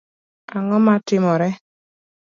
Ang’o matimore?